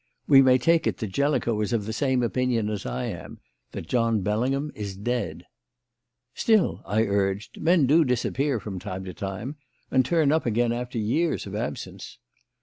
We may take it that Jellicoe is of the same opinion as I am: that John Bellingham is dead." "Still," I urged, "men do disappear from time to time, and turn up again after years of absence."